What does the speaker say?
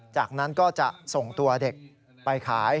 จากนั้นก็จะส่งตัวเด็กไปขาย